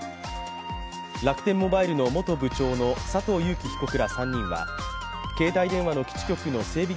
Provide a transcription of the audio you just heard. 楽天モバイルの元部長の佐藤友紀被告ら３人は携帯電話の基地局の整備